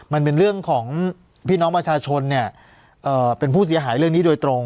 มันเป็นเรื่องของพี่น้องประชาชนเป็นผู้เสียหายเรื่องนี้โดยตรง